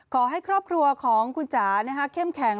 ขอให้ครอบครัวของคุณจ๋าเข้มแข็ง